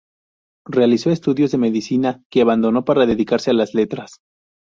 Realizó estudios de medicina, que abandonó para dedicarse a las letras.